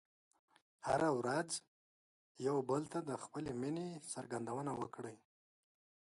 هره ورځ یو بل ته د خپلې مینې څرګندونه وکړئ.